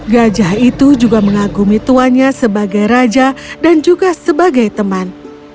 gajah itu juga mengagumi tuanya sebagai raja dan juga sebagai teman